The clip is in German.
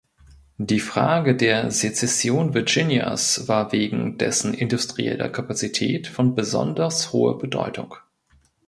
Die Frage der Sezession Virginias war wegen dessen industrieller Kapazität von besonders hoher Bedeutung.